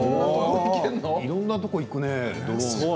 いろんなところに行くね。